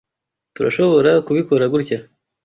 Turashoborakubikora gutya.